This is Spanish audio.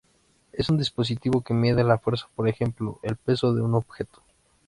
Es un dispositivo que mide la fuerza por ejemplo el peso de un objeto.